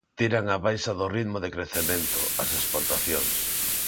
Tiran á baixa do ritmo de crecemento, as exportacións.